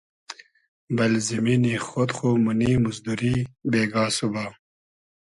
بئل زیمینی خۉد خو مونی موزدوری بېگا سوبا